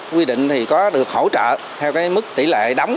quy định thì có được hỗ trợ theo mức tỷ lệ đóng